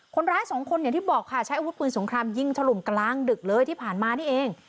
คนร้ายสองคนอย่างที่บอกค่ะใช้อาวุธปืนสงครามยิงถล่มกลางดึกเลยที่ผ่านมานี่เอง